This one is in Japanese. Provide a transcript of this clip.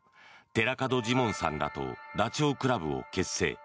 寺門ジモンさんらとダチョウ倶楽部を結成。